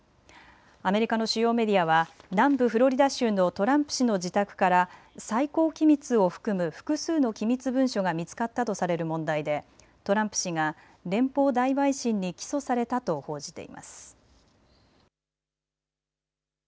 アメリカの主要メディアは南部フロリダ州のトランプ氏の自宅から最高機密を含む複数の機密文書が見つかったとされる問題でトランプ氏が連邦大陪審に起訴されたと報じています。